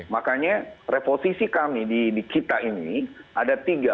makanya reposisi kami di kita ini ada tiga